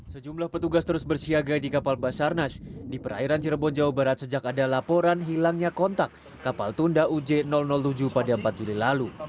sejumlah petugas terus bersiaga di kapal basarnas di perairan cirebon jawa barat sejak ada laporan hilangnya kontak kapal tunda uj tujuh pada empat juli lalu